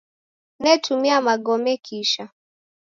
Netumia magome kisha